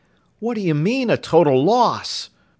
"What do you mean, a total loss?"